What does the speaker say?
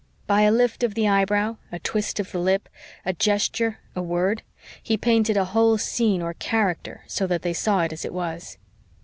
By a lift of the eyebrow, a twist of the lip, a gesture, a word, he painted a whole scene or character so that they saw it as it was.